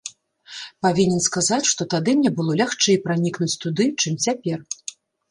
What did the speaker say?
Павінен сказаць, што тады мне было лягчэй пранікнуць туды, чым цяпер.